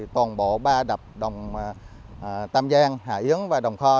toàn bộ ba đập đồng tam giang hà yến và đồng kho